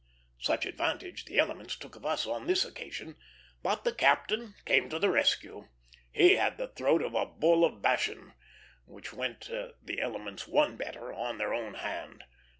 Such advantage the elements took of us on this occasion, but the captain came to the rescue. He had the throat of a bull of Bashan, which went the elements one better on their own hand.